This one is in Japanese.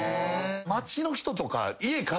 街の人とか。